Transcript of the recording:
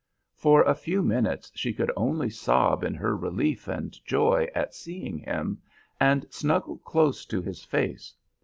For a few minutes she could only sob in her relief and joy at seeing him, and snuggle close to his face.